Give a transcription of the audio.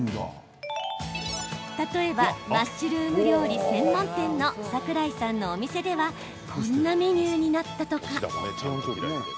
例えばマッシュルーム料理専門店の桜井さんのお店ではこんなメニューになったことが。